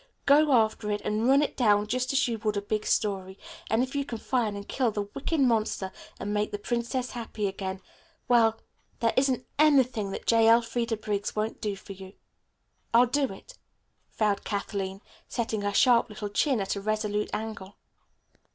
Go after it and run it down just as you would a big story, and if you can find and kill the wicked monster and make the princess happy again, well, there isn't anything that J. Elfreda Briggs won't do for you." "I'll do it," vowed Kathleen, setting her sharp little chin at a resolute angle.